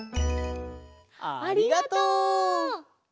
ありがとう。